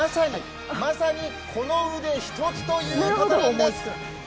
まさにこの腕一つということです。